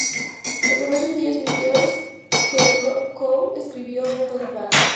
El primer sencillo es "Mean Girls", que Crow co-escribió con Toby Gad.